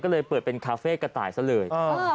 ก็เลยเปิดเป็นคาเฟ่กระต่ายซะเลย